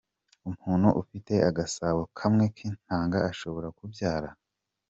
Umuntu ufite agasabo kamwe k’intanga ashobora kubyara?.